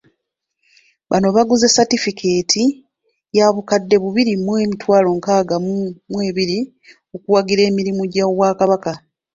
Bano baguze Satifikeeti ya bukadde bubiri mu emitwalo nkaaga mu ebiri okuwagira emirimu gy'Obwakabaka.